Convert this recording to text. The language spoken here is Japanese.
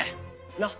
なっ？